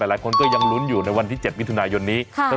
หลายคนก็ยังลุ้นอยู่ในวันที่๗มิถุนายนนี้